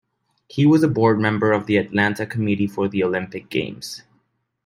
He was a board member of the Atlanta Committee for the Olympic Games.